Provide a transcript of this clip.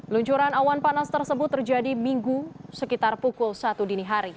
luncuran awan panas tersebut terjadi minggu sekitar pukul satu dini hari